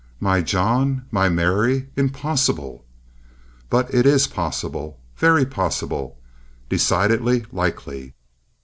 "My John! My Mary! Impossible!" But it is possible. Very possible. Decidedly likely.